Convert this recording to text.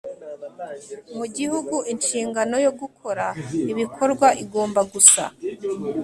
mugihugu inshingano yo gukora ibikorwa igomba gusa